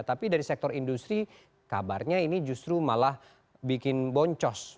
tapi dari sektor industri kabarnya ini justru malah bikin boncos